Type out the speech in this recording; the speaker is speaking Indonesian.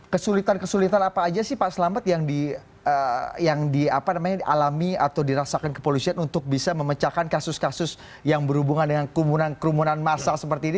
kesulitan kesulitan apa aja sih pak selamet yang dialami atau dirasakan kepolisian untuk bisa memecahkan kasus kasus yang berhubungan dengan kerumunan masa seperti ini